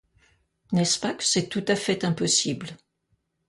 N'est-ce pas que c'est tout à fait impossible?